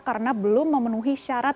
karena belum memenuhi syarat